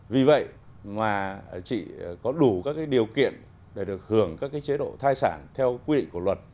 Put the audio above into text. vì vậy mà chị có đủ các điều kiện để được hưởng các chế độ thai sản theo quy định của luật